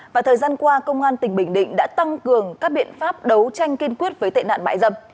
và thời gian qua công an tỉnh bình định đã tăng cường các biện pháp đấu tranh kiên quyết với tệ nạn mại dâm